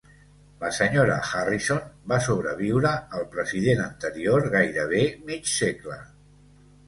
La senyora Harrison va sobreviure al president anterior gairebé mig segle.